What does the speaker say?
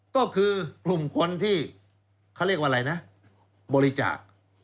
ก็คือกลุ่มคนที่เขาเรียกว่าอะไรนะบริจาค